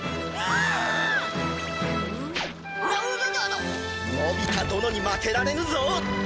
のび太殿に負けられぬぞ。